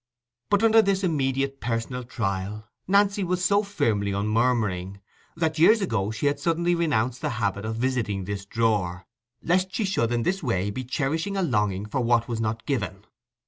But under this immediate personal trial Nancy was so firmly unmurmuring, that years ago she had suddenly renounced the habit of visiting this drawer, lest she should in this way be cherishing a longing for what was not given.